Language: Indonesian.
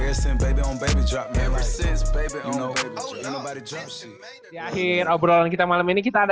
atau nggak setuju gamesnya